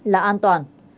là an toàn